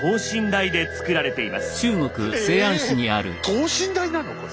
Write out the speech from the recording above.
等身大なの⁉これ。